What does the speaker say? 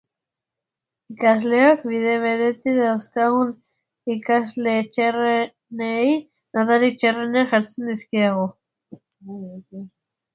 Irakasleok, bide beretik, dauzkagun ikasle txarrenei notarik txarrenak jartzen dizkiegu.